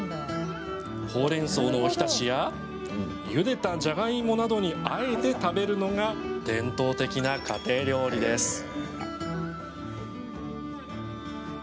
ほうれんそうのお浸しやゆでたじゃがいもなどにあえて食べるのが伝統的な家庭料理です。